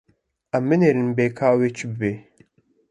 Em binêrin bê ka ew ê çi bibe.